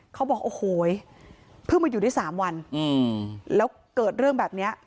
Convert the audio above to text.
เขาบอกโอ้โหเพิ่งมาอยู่ได้๓วันแล้วเกิดเรื่องแบบนี้